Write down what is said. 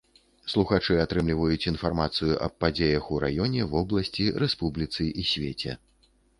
Слухачы атрымліваюць інфармацыю аб падзеях у раёне, вобласці, рэспубліцы і свеце.